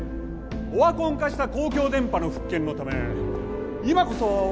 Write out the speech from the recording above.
オワコン化した公共電波の復権のため今こそ我々は。